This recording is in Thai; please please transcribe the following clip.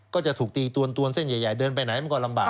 ก็จะถูกตีตวนเส้นใหญ่เดินไปไหนมันก็ลำบาก